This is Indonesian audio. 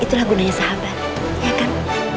itulah gunanya sahabat ya kan